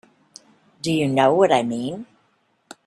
Do you know what I mean?